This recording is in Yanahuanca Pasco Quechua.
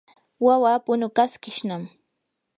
wawaa punukaskishnam.